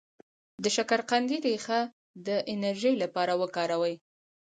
د شکرقندي ریښه د انرژی لپاره وکاروئ